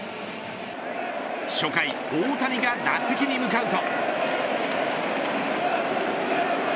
初回、大谷が打席に向かうと。